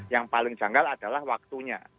yang paling janggal adalah waktunya